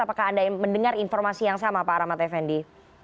apakah anda mendengar informasi yang sama pak rahmat effendi